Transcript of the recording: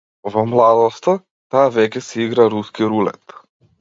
Во младоста, таа веќе си игра руски рулет.